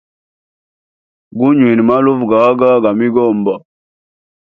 Gunywine maluvu gaga ga migomba.